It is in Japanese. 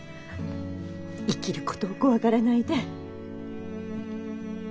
生きることを怖がらないで。